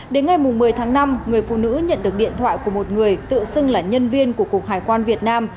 đến ngày một mươi tháng năm người phụ nữ nhận được điện thoại của một người tự xưng là nhân viên của cục hải quan việt nam